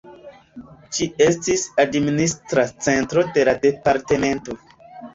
Ĝi estis administra centro de la departemento.